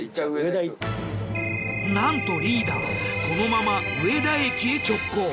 なんとリーダーこのまま上田駅へ直行。